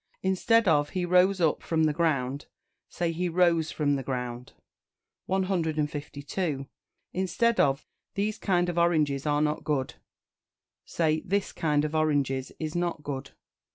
Instead of "He rose up from the ground," say "He rose from the ground." 152. Instead of "These kind of oranges are not good," say "This kind of oranges is not good."